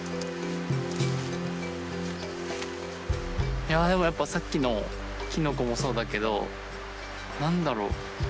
いやでもやっぱさっきのキノコもそうだけど何だろう？